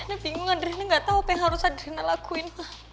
emang adrena gak tau apa yang harus adriana lakuin